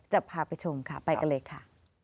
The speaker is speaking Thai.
จะพาไปชมค่ะไปกันเลยค่ะ